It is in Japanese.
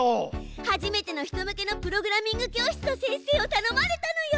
初めての人向けのプログラミング教室の先生をたのまれたのよ。